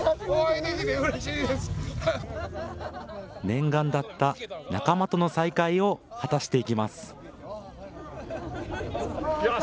念願だった仲間との再会を果たしていきます。